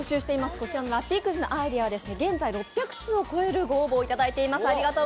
こちらのラッピーくじのアイデアは現在６００通を超えるご応募をいただいています。